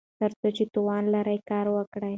تر څو چې توان لرئ کار وکړئ.